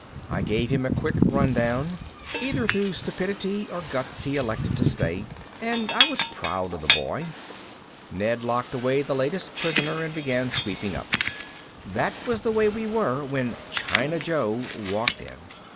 I gave him a quick rundown. Either through stupidity or guts he elected to stay, and I was proud of the boy. Ned locked away the latest prisoner and began sweeping up. That was the way we were when China Joe walked in.